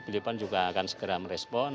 beliau pun juga akan segera merespon